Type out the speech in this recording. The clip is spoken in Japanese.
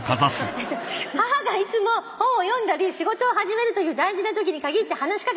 「母がいつも本を読んだり仕事を始めるという大事なときにかぎって話し掛けてきます」